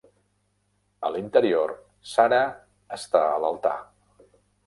A l'interior, Sarah està a l'altar.